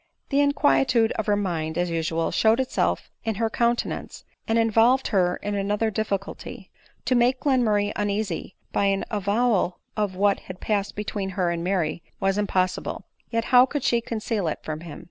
The inquietude of her mind, as usual, showed itself in her countenance, and involved her in another dif ficulty ; to make Glenmurray uneasy by an avowal of what had passed between he* and Mary was impossible ; yet how could she conceal it from him